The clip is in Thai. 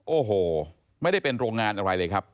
โอ้โหไม่ได้เป็นโรงงานอะไรเลยครับ